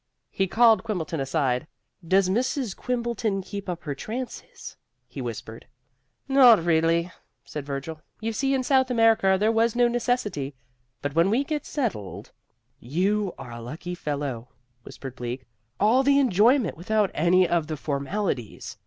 He called Quimbleton aside. "Does Mrs. Quimbleton keep up her trances?" he whispered. "Not recently," said Virgil. "You see, in South America there was no necessity but when we get settled " "You are a lucky fellow," whispered Bleak. "All the enjoyment without any of the formalities!"